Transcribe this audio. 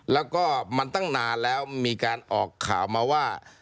แล้วก็มันตั้งนานแล้วมีการออกข่าวมาว่า